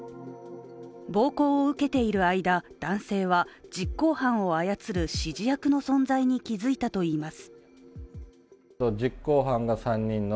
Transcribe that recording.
暴行を受けている間、男性は実行犯を操る指示役の存在に気づいたといいます。